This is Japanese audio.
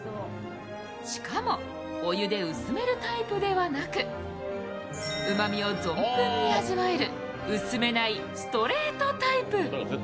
しかも、お湯で薄めるタイプではなく、うまみを存分に味わえる薄めないストレートタイプ。